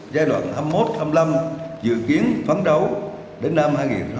giai đoạn hai mươi một hai mươi năm dự kiến phán đấu đến năm hai nghìn hai mươi năm